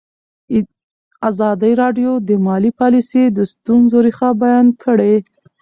ازادي راډیو د مالي پالیسي د ستونزو رېښه بیان کړې.